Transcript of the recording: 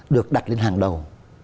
được đặt lên hàng đầu